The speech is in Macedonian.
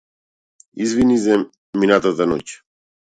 Извини за минатата ноќ.